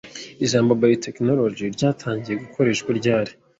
Ijambo "biotechnologie" ryatangiye gukoreshwa ryari?